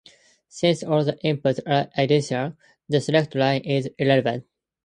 Since all the inputs are identical, the select line is irrelevant.